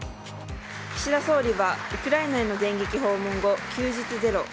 岸田総理は、ウクライナへの電撃訪問後、休日ゼロ。